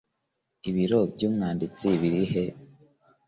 ibiro by'umwanditsi biri he